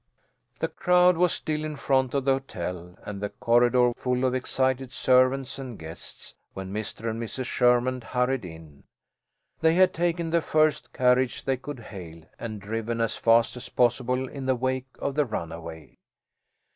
The crowd was still in front of the hotel, and the corridor full of excited servants and guests, when Mr. and Mrs. Sherman hurried in. They had taken the first carriage they could hail and driven as fast as possible in the wake of the runaway.